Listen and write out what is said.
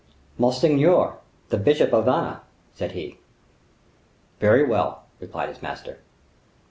"Monseigneur, the Bishop of Vannes," said he. "Very well!" replied his master.